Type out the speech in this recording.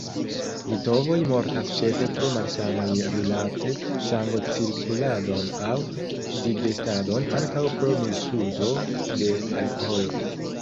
Litovoj mortas ĉefe pro malsanoj rilate sangocirkuladon aŭ digestadon; ankaŭ pro misuzo de alkoholo.